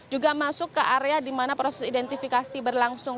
juga masuk ke area di mana proses identifikasi berlangsung